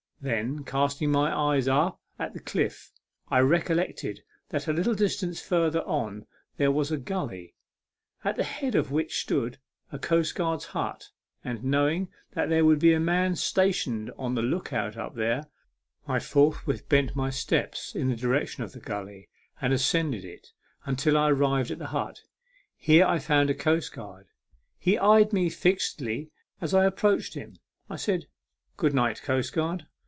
Then, casting my eyes up at the cliff, I recollected that a little distance further on there was a gully, at the head of which stood a coastguard's hut, and, knowing that there would be a man stationed on the look out up there, I forthwith bent my steps in the direction of the gully, and ascended it, until I arrived at the hut. Here I found a coastguard. He eyed me fixedly as I approached him. I said, " Good night, coastguard."